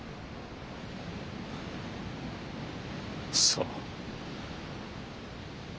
そう。